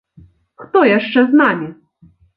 Хто яшчэ з намі?